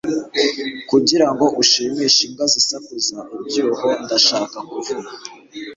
kugirango ushimishe imbwa zisakuza. ibyuho ndashaka kuvuga